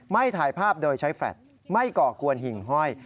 ถ่ายภาพโดยใช้แฟลตไม่ก่อกวนหิ่งห้อย